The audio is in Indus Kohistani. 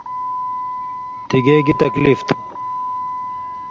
تِگَے گِی تکلیف تُھو؟